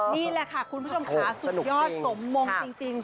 นี่แหละค่ะคุณผู้ชมค่ะสุดยอดสมมงจริง